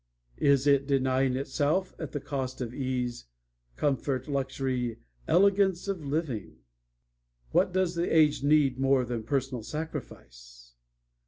Is it denying itself at the cost of ease, comfort, luxury, elegance of living? What does the age need more than personal sacrifice?